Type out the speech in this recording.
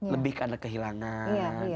lebih karena kehilangan